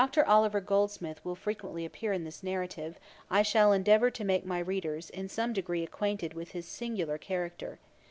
] As Dr. Oliver Goldsmith will frequently appear in this narrative, I shall endeavour to make my readers in some degree acquainted with his singular character.